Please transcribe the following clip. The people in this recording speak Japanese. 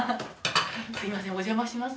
すいませんお邪魔します